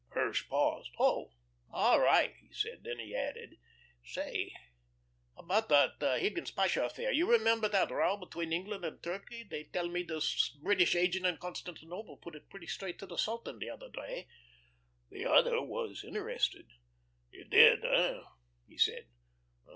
Hirsch paused. "Oh! All right," he said, then he added: "Say, how about that Higgins Pasha affair? You remember that row between England and Turkey. They tell me the British agent in Constantinople put it pretty straight to the Sultan the other day." The other was interested. "He did, hey?" he said.